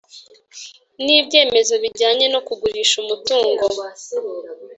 n ibyemezo bijyanye no kugurisha umutungo